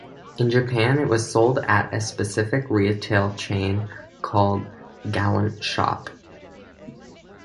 In Japan, it was sold at a specific retail chain called "Galant Shop".